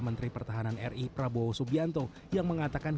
menteri pertahanan ri prabowo subianto yang mengatakan